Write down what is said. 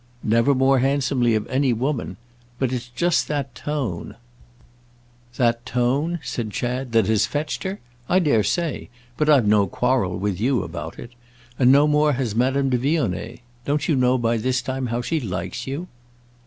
"Never more handsomely of any woman. But it's just that tone—!" "That tone," said Chad, "that has fetched her? I dare say; but I've no quarrel with you about it. And no more has Madame de Vionnet. Don't you know by this time how she likes you?"